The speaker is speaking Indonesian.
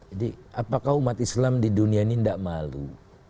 apakah umat islam di dunia ini tidak malu